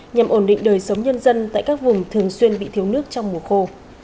nhằm ổn định đời sống nhân dân tại các vùng thường xuyên bị thiếu nước trong mùa khô